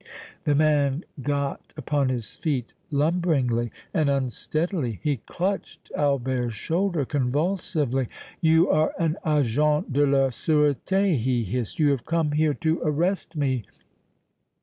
The man got upon his feet lumberingly and unsteadily; he clutched Albert's shoulder convulsively. "You are an Agent de la Sureté!" he hissed. "You have come here to arrest me!"